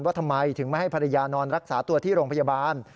ทำไมถึงไม่ให้ภรรยานอนรักษาตัวที่โรงพยาบาล